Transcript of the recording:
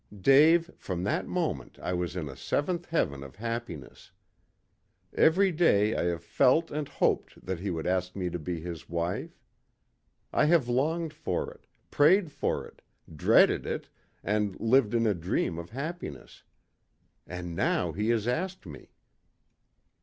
Dave, from that moment I was in a seventh heaven of happiness. Every day I have felt and hoped that he would ask me to be his wife. I have longed for it, prayed for it, dreaded it, and lived in a dream of happiness. And now he has asked me."